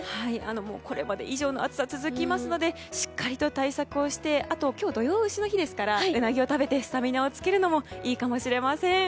これまで以上の暑さが続きますのでしっかりと対策をして今日は土用の丑の日ですからウナギを食べてスタミナをつけるのもいいかもしれません。